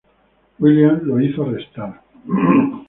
Williams lo hizo arrestar.